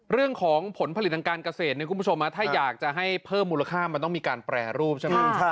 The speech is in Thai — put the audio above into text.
เรื่องของผลผลิตังการเกษตรถ้าอยากจะให้เพิ่มมูลค่ามมันต้องมีการแปรรูปใช่ไหม